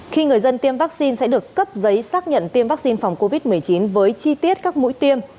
khi người dân tiêm vaccine sẽ được cấp giấy xác nhận tiêm vaccine phòng covid một mươi chín với chi tiết các mũi tiêm